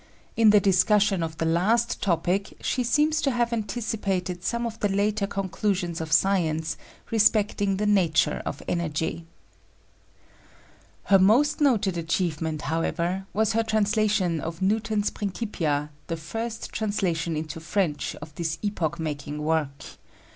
In the discussion of the last topic she seems to have anticipated some of the later conclusions of science respecting the nature of energy. Her most noted achievement, however, was her translation of Newton's Principia, the first translation into French of this epoch making work.